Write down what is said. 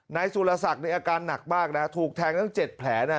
นายสุรศักดิ์ในอาการหนักมากนะถูกแทงตั้ง๗แผลนะ